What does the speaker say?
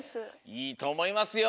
いいとおもいますよ。